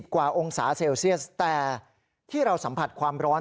กว่าองศาเซลเซียสแต่ที่เราสัมผัสความร้อน